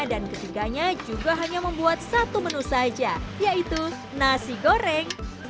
dan ketiganya juga hanya membuat satu menu saja yaitu nasi goreng